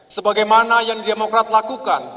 sebagaimana yang didemokrat lakukan